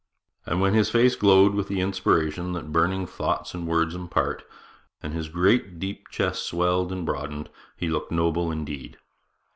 And when his face glowed with the inspiration that burning thoughts and words impart, and his great deep chest swelled and broadened, he looked noble indeed.